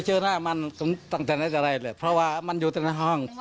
เมื่อวานคุณตาก็ไม่เจอหน้าเลยเพราะว่ามันอยู่ในห้อง